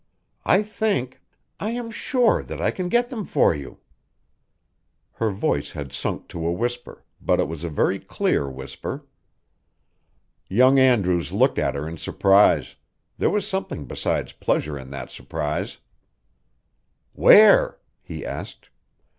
I think I am sure that I can get them for you." Her voice had sunk to a whisper, but it was a very clear whisper. Young Andrews looked at her in surprise; there was something besides pleasure in that surprise. "Where?" he asked.